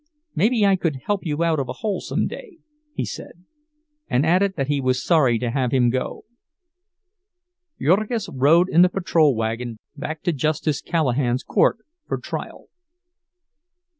"Maybe I could help you out of a hole some day," he said, and added that he was sorry to have him go. Jurgis rode in the patrol wagon back to Justice Callahan's court for trial.